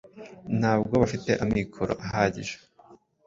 Ntabwo bafite amikoro ahagije